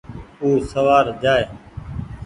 او سوآر جآئي۔